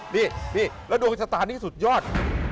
นี่แล้วดวงชะตานี้สุดยอด